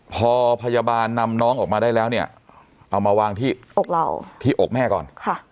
พอพยาบาลนำน้องออกมาได้แล้วเนี่ยเอามาวางที่อกเราที่อกแม่ก่อน